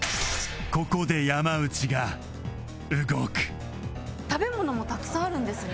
ここで食べ物もたくさんあるんですね。